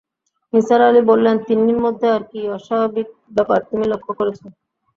নিসার আলি বললেন, তিন্নির মধ্যে আর কি অস্বাভাবিক ব্যাপার তুমি লক্ষ করেছ?